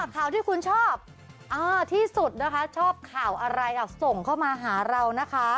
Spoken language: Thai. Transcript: ข่าวที่คุณชอบที่สุดนะคะชอบข่าวอะไรส่งเข้ามาหาเรานะคะ